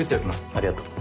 ありがとう。